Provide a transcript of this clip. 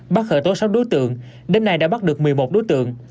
bắt khởi tố sáu đối tượng đến nay đã bắt được một mươi một đối tượng